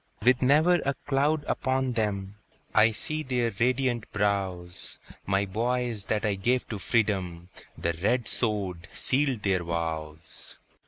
With never a cloud upon them, I see their radiant brows; My boys that I gave to freedom, The red sword sealed their vows!